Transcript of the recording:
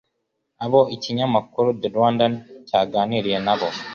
Abo ikinyamakuru The Rwandan cyaganiriye nabo